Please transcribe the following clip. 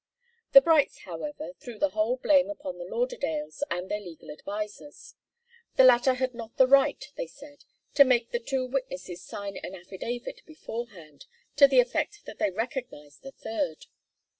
The Brights, however, threw the whole blame upon the Lauderdales and their legal advisers. The latter had not the right, they said, to make the two witnesses sign an affidavit beforehand to the effect that they recognized the third.